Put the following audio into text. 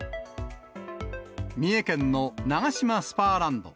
三重県のナガシマスパーランド。